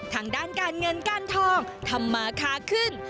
ทางด้านการเงินการทองทำมาคาขึ้น